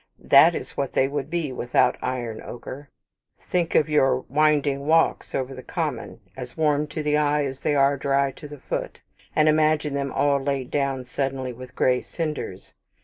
That is what they would be without iron ochre. Think of your winding walks over the common, as warm to the eye as they are dry to the foot, and imagine them all laid down suddenly with gray cinders.